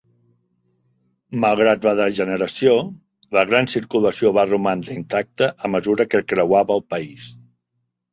Malgrat la degeneració, la gran circulació va romandre intacta a mesura que creuava el país.